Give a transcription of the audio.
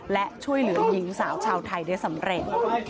และช่วยเหลือหญิงสาวชาวไทยได้สำเร็จ